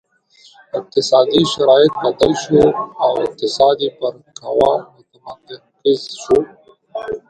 اقتصادي شرایط بدل شوي وو او اقتصاد یې پر قهوه متمرکز شو.